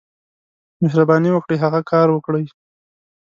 مهرباني وکړئ، هغه کار وکړئ.